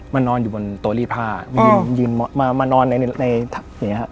มานอนอยู่บนโตรีผ้ามานอนในอย่างเงี้ย